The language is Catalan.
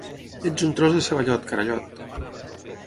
Ets un tros de ceballot, carallot